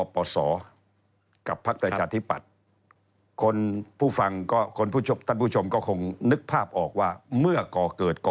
โปรดติดตามต่อไป